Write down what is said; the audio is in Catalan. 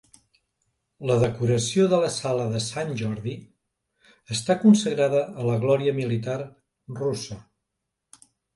La decoració de la sala de Sant Jordi està consagrada a la glòria militar russa.